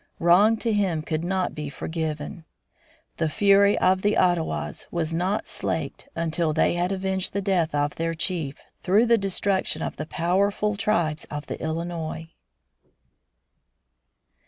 Wrong to him could not be forgiven. The fury of the Ottawas was not slaked until they had avenged the death of their chief, through the destruction of the powerful tribes of the Illinois.